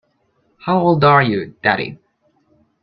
How old are you, daddy.